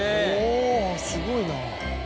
おぉすごいな。